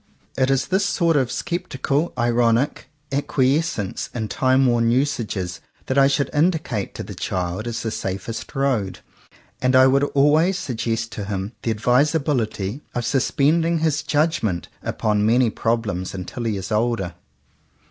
It is this sort of sceptical, ironic acqui escence in timeworn usages that I should indicate to the child as the safest road. And I would always suggest to him the advis ability of suspending his judgment upon many problems until he is older.